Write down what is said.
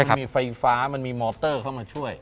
มีไฟฟ้ามันมีมอเตอร์เข้ามาช่วย